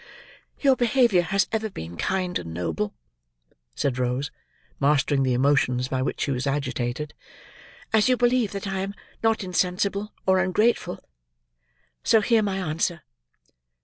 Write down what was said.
"Your behaviour has ever been kind and noble." said Rose, mastering the emotions by which she was agitated. "As you believe that I am not insensible or ungrateful, so hear my answer."